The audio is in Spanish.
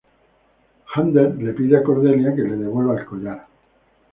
Xander le pide a Cordelia que le devuelva el collar.